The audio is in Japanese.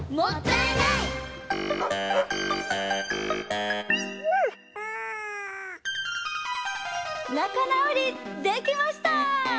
なかなおりできました！